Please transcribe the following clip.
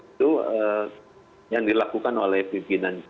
itu yang dilakukan oleh pimpinan